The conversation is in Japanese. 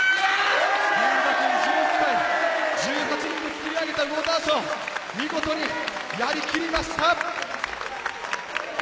龍芽くん、１８人で作り上げたウォーターショー、見事にやりきりました！